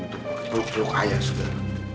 peluk peluk ayah sudah